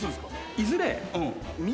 いずれ。